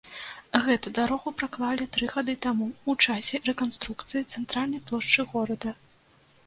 Гэту дарогу праклалі тры гады таму ў часе рэканструкцыі цэнтральнай плошчы горада.